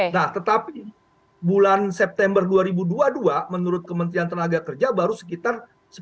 nah tetapi bulan september dua ribu dua puluh dua menurut kementerian tenaga kerja baru sekitar